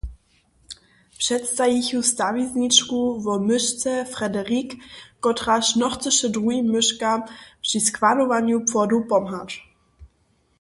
Předstajichu stawizničku wo myšce Frederick, kotraž nochcyše druhim myškam při składowanju płodow pomhać.